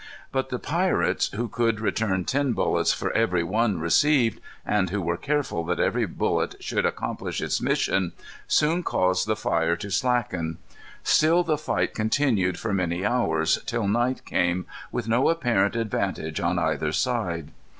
But the pirates, who could return ten bullets for every one received, and who were careful that every bullet should accomplish its mission, soon caused the fire to slacken. Still the fight continued for many hours, till night came, with no apparent advantage on either side.